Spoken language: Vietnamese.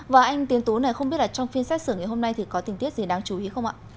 và anh tiến tú này không biết là trong phiên xét xử ngày hôm nay thì có tình tiết gì đáng chú ý không ạ